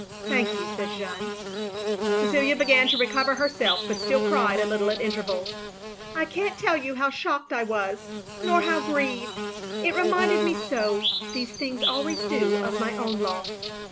"Thank you, '* said Jeanne. Cecilia began to recover herself, but still cried a little at intervals. " I can't tell you how shocked I was — ^nor how grieved. It reminded me so — ^these things always do — of my own loss.